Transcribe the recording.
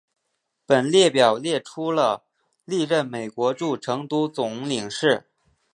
本列表列出了历任美国驻成都总领事。